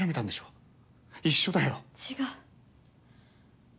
違う。